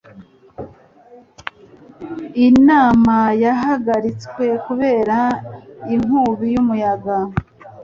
Inama yahagaritswe kubera inkubi y'umuyaga.